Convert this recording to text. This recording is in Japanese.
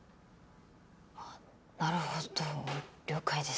あっなるほど了解です。